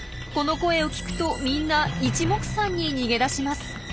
この声を聞くとみんないちもくさんに逃げ出します。